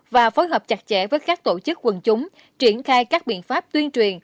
và phối hợp chặt chẽ với các tổ chức quần chúng triển khai các biện pháp tuyên truyền